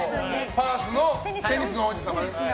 パースの「テニスの王子様」ね。